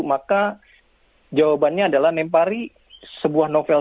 maka jawabannya adalah nempari sebuah novel